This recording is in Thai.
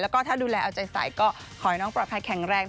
แล้วก็ถ้าดูแลเอาใจใสก็ขอให้น้องปลอดภัยแข็งแรง